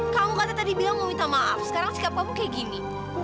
kamu kalau tadi bilang mau minta maaf sekarang sikap kamu kayak gini